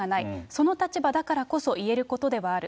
その立場だからこそ言えることではある。